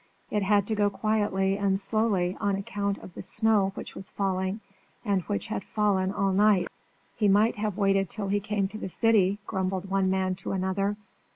It had to go quietly and slowly on account of the snow which was falling, and which had fallen all night. "He might have waited till he came to the city," grumbled one man to another.